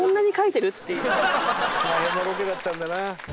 「大変なロケだったんだな」